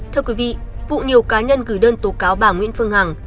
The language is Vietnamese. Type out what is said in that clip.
thưa quý vị vụ nhiều cá nhân gửi đơn tố cáo bà nguyễn phương hằng